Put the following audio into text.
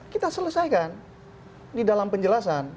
kita selesaikan di dalam penjelasan